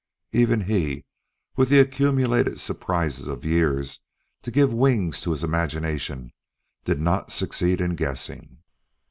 Even he, with the accumulated surprises of years to give wings to his imagination, did not succeed in guessing.